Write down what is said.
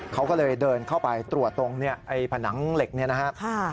เขาก็เลยเดินเข้าไปตรวจตรงผนังเหล็กเนี่ยนะครับ